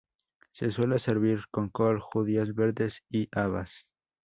Se suele servir con col, judías verdes y habas.